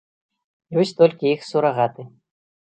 Ёсць толькі іх сурагаты.